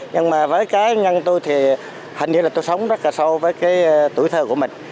nhưng mà với cá nhân tôi thì hình như tôi sống rất sâu với tuổi thơ của mình